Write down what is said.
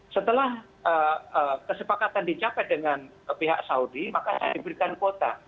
setelah kesepakatan dicapai dengan pihak saudi maka saya diberikan kuota